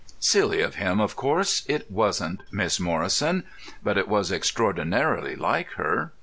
Silly of him; of course, it wasn't Miss Morrison; but it was extraordinarily like her.